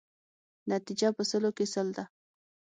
نتیجه په سلو کې سل ده.